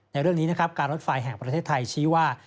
ในเรื่องนี้นะครับการรถไฟแห่งประเทศไทยชี้ว่า